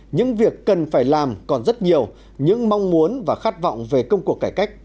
những việc cần phải làm còn rất nhiều những mong muốn và khát vọng về công cuộc cải cách